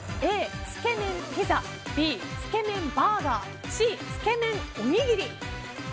Ａ、つけ麺ピザＢ、つけ麺バーガーＣ、つけ麺おにぎり。